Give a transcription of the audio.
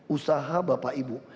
usaha bapak ibu